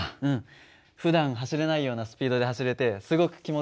ふだん走れないようなスピードで走れてすごく気持ちよかった。